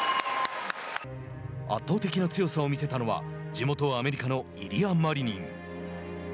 圧倒的な強さを見せたのは地元アメリカのイリア・マリニン。